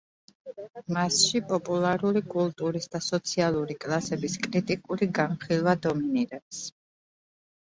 მასში პოპულარული კულტურის და სოციალური კლასების კრიტიკული განხილვა დომინირებს.